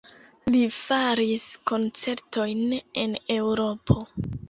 Li faris koncertojn en Eŭropo.